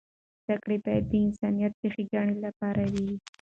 زده کړه باید د انسانیت د ښیګڼې لپاره وي.